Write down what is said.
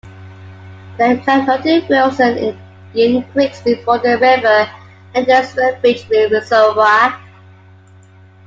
Then come Noti, Wilson, Indian creeks before the river enters Fern Ridge Reservoir.